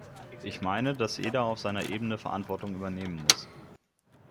Ich meine, dass jeder auf seiner Ebene Verantwortung übernehmen muss.